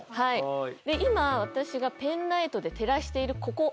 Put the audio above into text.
今、私がペンライトで照らしているここ。